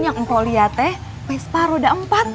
yang empok lihat teh vespa roda empat